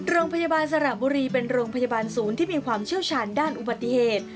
สระบุรีเป็นโรงพยาบาลศูนย์ที่มีความเชี่ยวชาญด้านอุบัติเหตุ